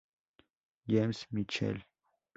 James Michael.